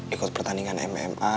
ikut pertandingan mma